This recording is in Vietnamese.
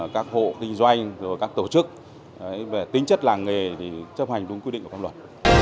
các hộ kinh doanh các tổ chức về tính chất làng nghề thì chấp hành đúng quy định của pháp luật